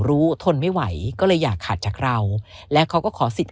ทนไม่ไหวก็เลยอยากขาดจากเราและเขาก็ขอสิทธิ